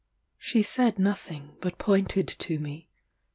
She said nothing, but pointed to me.